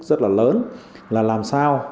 rất là lớn là làm sao